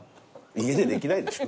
家でできないでしょ。